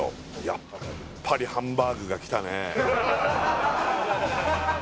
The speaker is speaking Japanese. やっぱりハンバーグがきたね